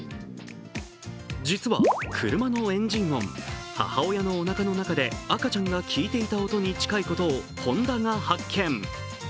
実は車のエンジン音、母親のおなかの中で赤ちゃんが聞いていた音に近いことをホンダが発見。